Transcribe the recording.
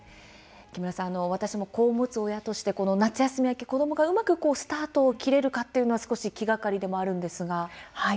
木村さん、私も子を持つ親として夏休み明け子どもがうまくスタートを切れるかと少し気がかりなんですけれども。